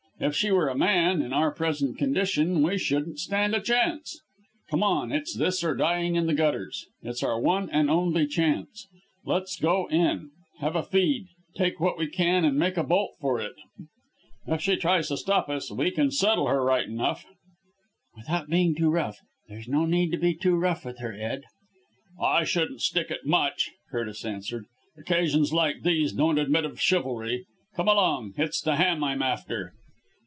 If she were a man, in our present condition we shouldn't stand a chance. Come! It's this or dying in the gutters. It's our one and only chance. Let's go in have a feed take what we can and make a bolt for it. If she tries to stop us we can settle her right enough." "Without being too rough! There's no need to be too rough with her, Ed." "I shouldn't stick at much!" Curtis answered. "Occasions like these don't admit of chivalry. Come along! It's the ham I'm after."